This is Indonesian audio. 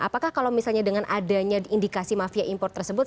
apakah kalau misalnya dengan adanya indikasi mafia impor tersebut